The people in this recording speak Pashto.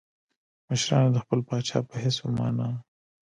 مشرانو د خپل پاچا په حیث ومانه.